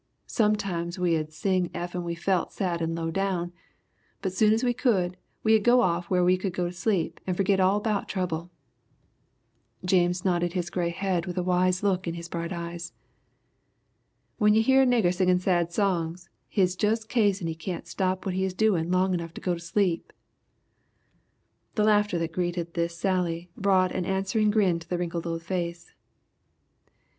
Sometimes we 'ud sing effen we felt sad and lowdown, but soon as we could, we 'ud go off whar we could go to sleep and forgit all 'bout trouble!" James nodded his gray head with a wise look in his bright eyes. "When you hear a nigger singin' sad songs hit's jus' kazen he can't stop what he is doin' long enough to go to sleep!" The laughter that greeted this sally brought an answering grin to the wrinkled old face.